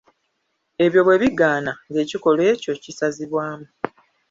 Ebyo bwe bigaana, ng’ekikolwa ekyo kisazibwamu.